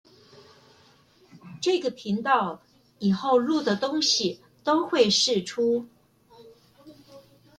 這個頻道以後錄的東西都會釋出